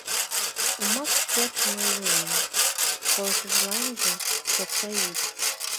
Омак керт мый илен», Пылышланже шокта йӱк